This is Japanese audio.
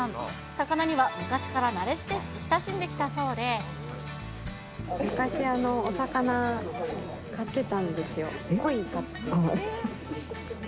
魚には昔から慣れ親しんできたそ昔、お魚飼ってたんですよ。